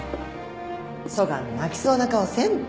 そがん泣きそうな顔せんと。